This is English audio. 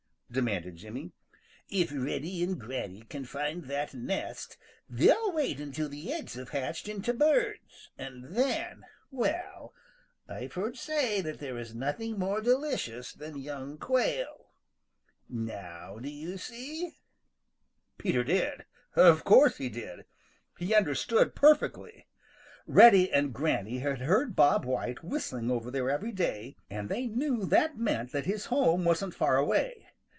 demanded Jimmy. "If Reddy and Granny can find that nest, they'll wait until the eggs have hatched into birds and then, well, I've heard say that there is nothing more delicious than young Quail. Now, do you see?" Peter did. Of course he did. He understood perfectly. Reddy and Granny had heard Bob White whistling over there every day, and they knew that meant that his home wasn't far away.